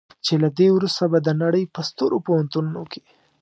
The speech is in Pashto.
چې له دې وروسته به د نړۍ په سترو پوهنتونونو کې.